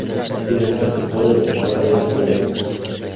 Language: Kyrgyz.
Биз отчетту колдодук, палатада да колдомокпуз.